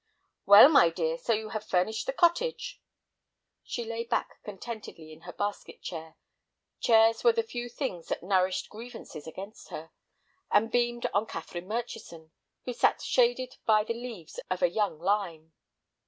"Well, my dear, so you have furnished the cottage." She lay back contentedly in her basket chair—chairs were the few things that nourished grievances against her—and beamed on Catherine Murchison, who sat shaded by the leaves of a young lime.